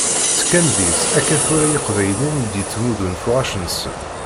Ttekkan deg-s akka tura yiqbayliyen i d-yettmuddun tuɣac-nsen.